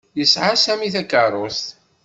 Yesɛa Sami takeṛṛust.